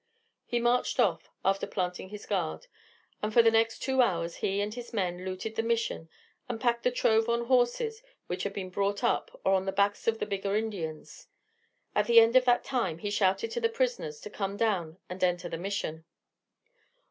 He marched off, after planting his guard; and for the next two hours he and his men looted the Mission and packed the trove on horses which had been brought up, or on the backs of the bigger Indians. At the end of that time he shouted to his prisoners to come down and enter the Mission.